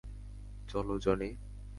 চলো, জনি।